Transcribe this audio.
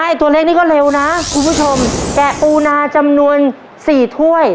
ใช่ตัวเลขนี้ก็เร็วนะคุณผู้ชมแกะปูนาจำนวนสี่ถ้วย